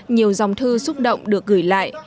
nhiều dòng thư xúc động được gửi lại